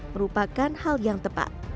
merupakan hal yang tepat